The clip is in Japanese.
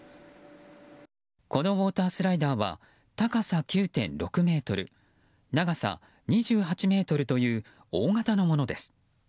このウォータースライダーは高さ９．６ｍ、長さ２８ｍという大型のものです。